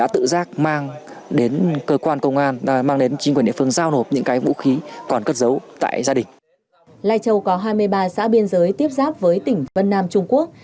lai châu có hai mươi ba xã biên giới tiếp giáp với tỉnh vân nam trung quốc